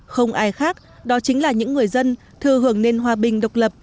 không ai khác đó chính là những người dân thư hưởng nền hòa bình độc lập